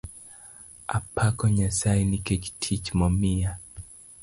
Apako Nyasaye nikech tich momiya